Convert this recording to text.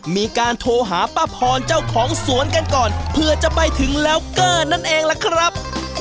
มีการโทรหาป้าพรเจ้าของสวนกันก่อนเผื่อจะไปถึงแล้วเกอร์นั่นเองล่ะครับ